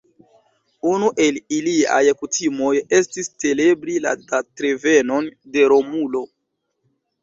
Unu el iliaj kutimoj estis celebri la datrevenon de Romulo.